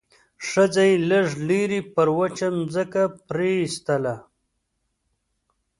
ښځه يې لږ لرې پر وچه ځمکه پرېيستله.